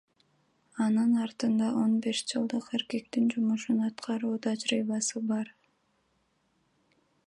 Анын артында он беш жылдык эркектин жумушун аткаруу тажрыйбасы бар.